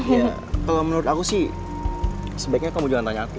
ya kalau menurut aku sih sebaiknya kamu jangan tanya aku